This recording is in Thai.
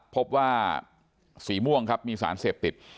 พบว่าสีม่วงครับมีสารเสพติด